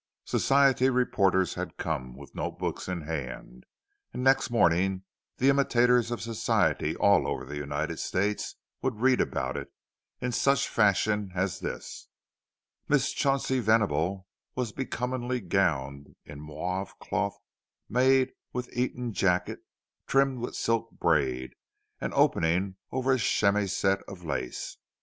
Society reporters had come, with notebooks in hand; and next morning the imitators of Society all over the United States would read about it, in such fashion as this: "Mrs. Chauncey Venable was becomingly gowned in mauve cloth, made with an Eton jacket trimmed with silk braid, and opening over a chemisette of lace.